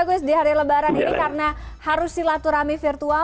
oke jadi hari lebaran ini karena harus silaturahmi virtual